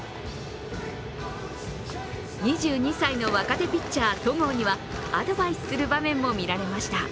２２歳の若手ピッチャー・戸郷にはアドバイスする場面も見られました。